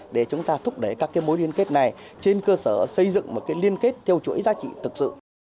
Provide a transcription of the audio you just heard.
để chúng ta thúc đẩy các mối liên kết này trên cơ sở xây dựng một liên kết theo chuỗi giá trị thực sự